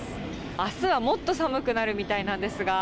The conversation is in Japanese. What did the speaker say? あすはもっと寒くなるみたいなんですが。